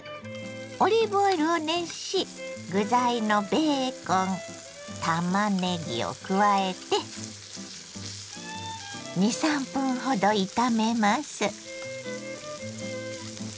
オリーブオイルを熱し具材のベーコンたまねぎを加えて２３分ほど炒めます。